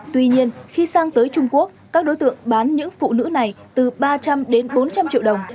tuy nhiên khi sang tới trung quốc các đối tượng bán những phụ nữ này từ ba trăm linh đến bốn trăm linh triệu đồng